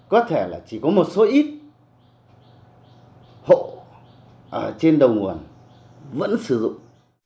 có thể là chỉ có một số ít hộ ở trên đầu nguồn vẫn sử dụng